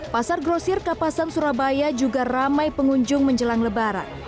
pasar grosir kapasan surabaya juga ramai pengunjung menjelang lebaran